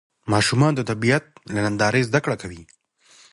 ماشومان د طبیعت له نندارې زده کړه کوي